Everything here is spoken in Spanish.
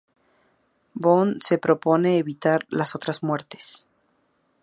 Boone se propone evitar las otras muertes.